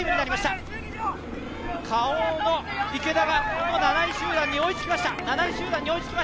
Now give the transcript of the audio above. Ｋａｏの池田が７位集団に追いつきました。